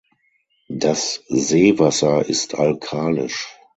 Das Seewasser ist alkalisch.